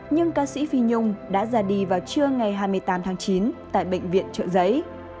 nhưng ca sĩ phi nhung đã ra đi vào trưa ngày hai mươi tám tháng chín tại bệnh viện trợ giấy